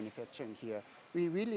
kita harus berpikir tentang